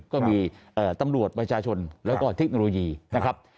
ก็มีตำรวจประชาชนแล้วก็เทคโนโลยีนะครับ